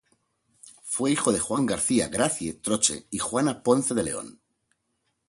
Fue hijo de Juan García "Gracie" Troche y Juana Ponce de León.